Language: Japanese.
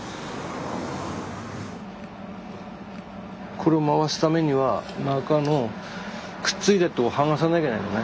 これを回すためには中のくっついてるとこ剥がさなきゃなのね。